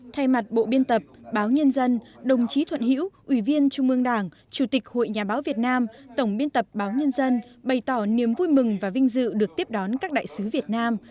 thay mặt bộ biên tập báo nhân dân đồng chí thuận hiễu ủy viên trung ương đảng chủ tịch hội nhà báo việt nam tổng biên tập báo nhân dân bày tỏ niềm vui mừng và vinh dự được tiếp đón các đại sứ việt nam